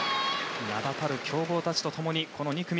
名だたる強豪たちと共にこの２組。